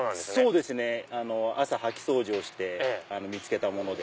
そうですね朝掃き掃除をして見つけたもので。